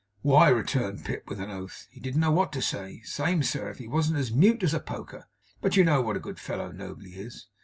'Why,' returned Pip, with an oath. 'He didn't know what to say. Same, sir, if he wasn't as mute as a poker. But you know what a good fellow Nobley is!